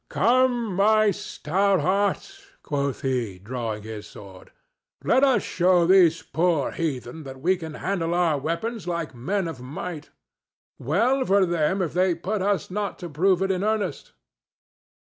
"Come, my stout hearts!" quoth he, drawing his sword. "Let us show these poor heathen that we can handle our weapons like men of might. Well for them if they put us not to prove it in earnest!"